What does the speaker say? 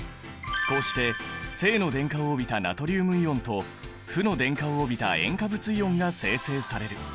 こうして正の電荷を帯びたナトリウムイオンと負の電荷を帯びた塩化物イオンが生成される。